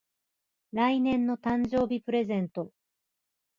来年の誕生日プレゼント